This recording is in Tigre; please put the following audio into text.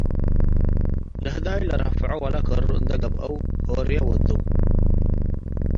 ለህዳይ ለረፍዖ ወለከሩ እንዴ ገብአው፣፡ ሆርየ ወዱ ።